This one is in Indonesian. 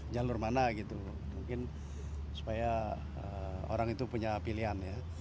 jalur mana gitu mungkin supaya orang itu punya pilihan ya